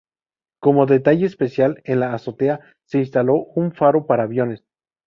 Como detalle especial, en la azotea se instaló un faro para aviones.